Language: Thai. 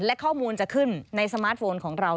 และข้อมูลจะขึ้นในสมาร์ทโฟนของเรา